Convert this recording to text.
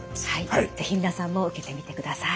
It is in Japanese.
是非皆さんも受けてみてください。